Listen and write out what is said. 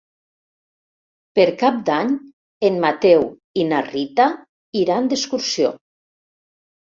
Per Cap d'Any en Mateu i na Rita iran d'excursió.